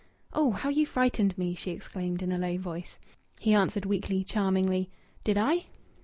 "Oh! How you frightened me!" she exclaimed in a low voice. He answered weakly, charmingly "Did I?"